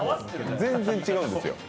全然違うんですよ。